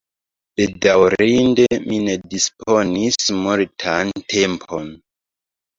Bedaŭrinde, mi ne disponis multan tempon.